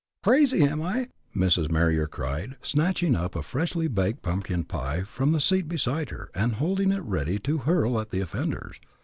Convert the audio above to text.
"Crazy, am I?" Mrs. Marier cried, snatching up a freshly baked pumpkin pie from the seat beside her, and holding it ready to hurl at the offenders.